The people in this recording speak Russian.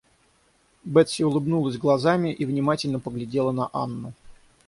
Бетси улыбнулась глазами и внимательно поглядела на Анну.